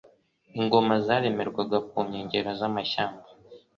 Ingoma zaremerwaga ku nkengero z'amashyamba